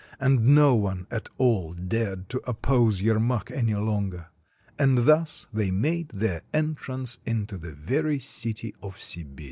And no one at all dared to oppose Yermak any longer. And thus they made their entrance into the very city of Sibir.